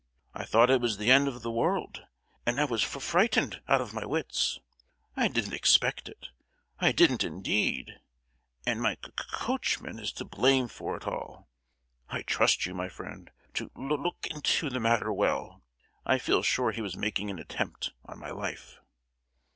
"I thought it was the end of the world, and I was fri—frightened out of my wits. I didn't expect it; I didn't, indeed! and my co—oachman is to blame for it all. I trust you, my friend, to lo—ok into the matter well. I feel sure he was making an attempt on my life!"